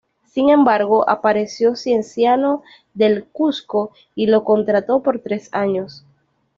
Sin embargo, apareció Cienciano del Cusco y lo contrató por tres años.